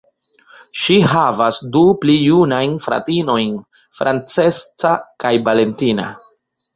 Ŝi havas du pli junajn fratinojn, Francesca kaj Valentina.